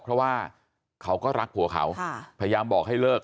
เพราะว่าเขาก็รักผัวเขาพยายามบอกให้เลิก